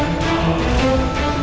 rafa kan masih hidup